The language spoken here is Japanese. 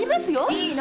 いいの。